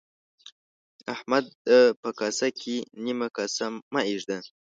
احمده! په کاسه کې نيمه کاسه مه اېږده.